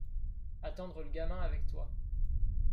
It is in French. attendre le gamin avec toi